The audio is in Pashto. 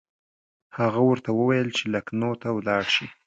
هغه ورته وویل چې لکنهو ته ولاړ شي.